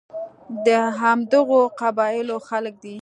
د همدغو قبایلو خلک دي.